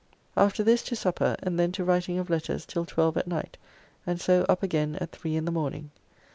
After this to supper, and then to writing of letters till twelve at night, and so up again at three in the morning.